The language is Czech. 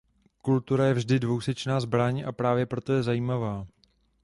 Kultura je vždy dvousečná zbraň, a právě proto je zajímavá.